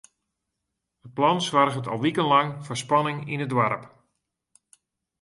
It plan soarget al wikenlang foar spanning yn it doarp.